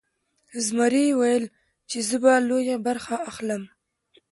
زمري ویل چې زه به لویه برخه اخلم.